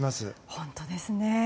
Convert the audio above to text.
本当ですね。